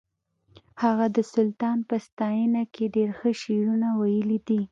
هغه د سلطان په ستاینه کې ډېر ښه شعرونه ویلي دي